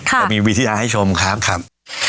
แต่มีวิทยาให้ชมครับ